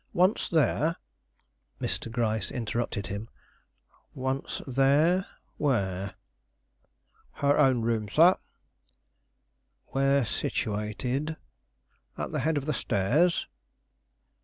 Once there " Mr. Gryce interrupted him. "Once there? where?" "Her own room, sir." "Where situated?" "At the head of the stairs."